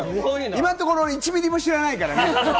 今のところ俺、１ミリも知らないからね。